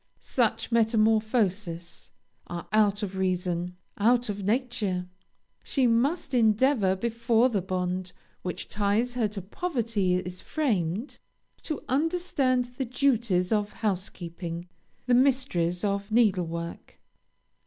Such metamorphoses are out of reason out of nature. She must endeavor before the bond which ties her to poverty is framed, to understand the duties of housekeeping, the mysteries of needle work.